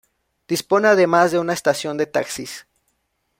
Dispone además de una estación de taxis.